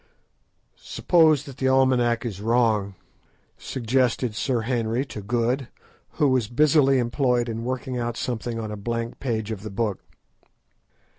"Suppose that the almanack is wrong," suggested Sir Henry to Good, who was busily employed in working out something on a blank page of the book.